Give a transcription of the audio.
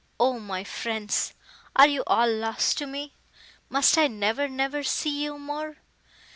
—O my friends! are ye all lost to me—must I never, never see ye more!"